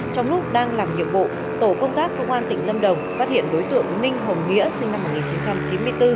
trong lúc đang làm nhiệm vụ tổ công tác công an tỉnh lâm đồng phát hiện đối tượng ninh hồng nghĩa sinh năm một nghìn chín trăm chín mươi bốn